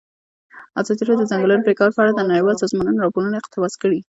ازادي راډیو د د ځنګلونو پرېکول په اړه د نړیوالو سازمانونو راپورونه اقتباس کړي.